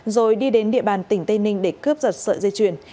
rồi đi đến địa bàn tỉnh tây ninh để cướp giật sợi dây chuyền